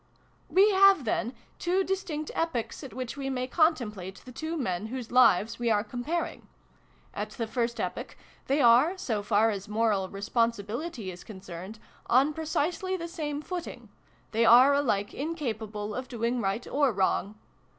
" We have, then, two distinct epochs at which we may contemplate the two men whose lives we are comparing. At the first epoch they are, so far as moral responsibility is concerned, on precisely the same footing : they are alike incapable of doing right or wrong.